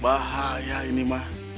bahaya ini bah